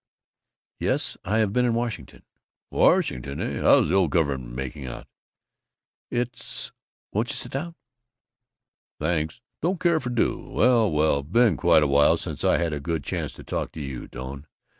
"Yes, I've been in Washington." "Washington, eh? How's the old Government making out?" "It's Won't you sit down?" "Thanks. Don't care if I do. Well, well! Been quite a while since I've had a good chance to talk to you, Doane.